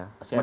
masih ada ya